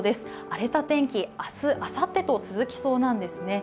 荒れた天気、明日、あさってと続きそうなんですね。